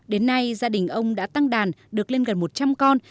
đến nay gia đình ông đã tăng đàn được lên gần một trăm linh con